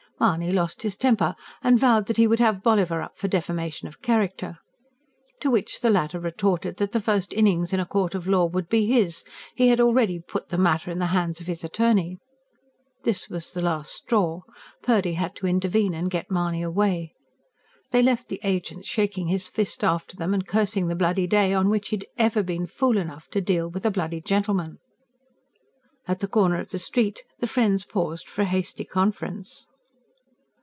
Mahony lost his temper, and vowed that he would have Bolliver up for defamation of character. To which the latter retorted that the first innings in a court of law would be his: he had already put the matter in the hands of his attorney. This was the last straw. Purdy had to intervene and get Mahony away. They left the agent shaking his fist after them and cursing the bloody day on which he'd ever been fool enough to do a deal with a bloody gentleman. At the corner of the street the friends paused for a hasty conference.